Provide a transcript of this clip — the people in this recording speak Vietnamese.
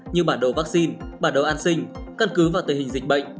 như bản đồ vaccine bản đồ an sinh căn cứ vào tình hình dịch bệnh